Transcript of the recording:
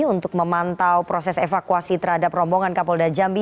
untuk memantau proses evakuasi terhadap rombongan kapolda jambi